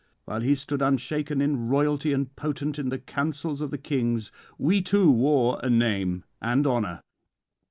While he stood unshaken in royalty and potent in the councils of the kings, we too wore a name and honour.